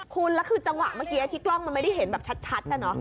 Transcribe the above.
คุณแล้วคือจังหวะเมื่อกี้ที่กล้องมันไม่ได้เห็นแบบชัดนะ